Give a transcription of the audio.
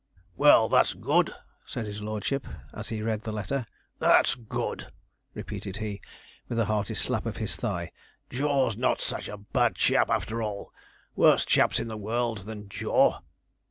'Well, that's good,' said his lordship, as he read the letter; 'that's good,' repeated he, with a hearty slap of his thigh. 'Jaw's not such a bad chap after all; worse chaps in the world than Jaw.'